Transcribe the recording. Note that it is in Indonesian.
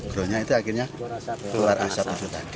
geronya itu akhirnya keluar asap